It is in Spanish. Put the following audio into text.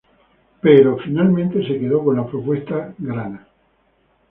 Pero finalmente se quedó con la propuesta grana.